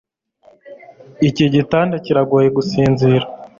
iki gitanda kiragoye gusinzira